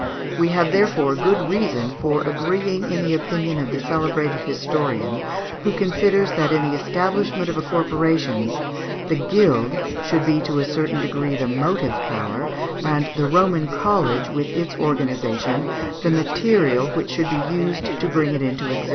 We have, therefore, good reason for agreeing in the opinion of the celebrated historian, who considers that in the establishment of a corporation "the guild should be to a certain degree the motive power, and the Roman college, with its organization, the material which should be used to bring it into existence."